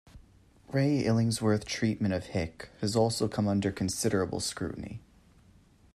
Ray Illingworth's treatment of Hick has also come under considerable scrutiny.